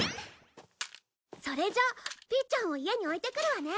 それじゃあピーちゃんを家に置いてくるわね。